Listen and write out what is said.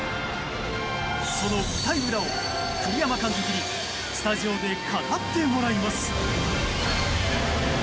その舞台裏を栗山監督にスタジオで語ってもらいます。